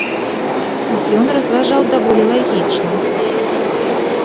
Ён разважаў даволі лагічна.